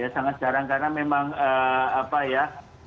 sangat jarang karena memang apa ya